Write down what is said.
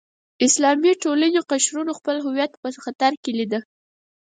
اسلامي ټولنې قشرونو خپل هویت په خطر کې لیده.